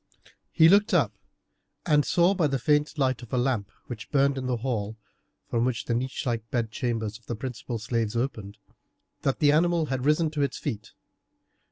He looked up, and saw by the faint light of a lamp which burned in the hall, from which the niche like bed chambers of the principal slaves opened, that the animal had risen to its feet.